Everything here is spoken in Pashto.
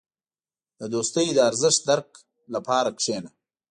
• د دوستۍ د ارزښت درک لپاره کښېنه.